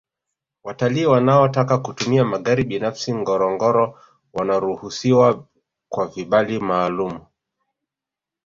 watalii wanaotaka kitumia magari binafsi ngorongoro wanaruhusiwa kwa vibali maalumu